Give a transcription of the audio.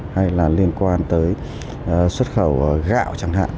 hay là liên quan tới xuất khẩu gạo chẳng hạn